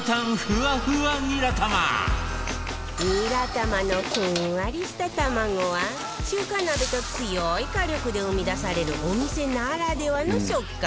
ニラ玉のふんわりした卵は中華鍋と強い火力で生み出されるお店ならではの食感